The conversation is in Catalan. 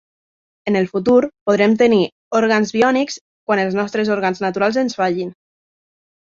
En el futur, podrem tenir òrgans biònics quan els nostres òrgans naturals ens fallin.